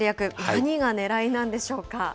何がねらいなんでしょうか。